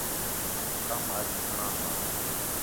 کم اَڄ گھݨاں ہا